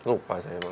lupa saya malah